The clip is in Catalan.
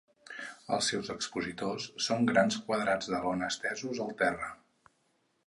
Els seus expositors són grans quadrats de lona estesos al terra.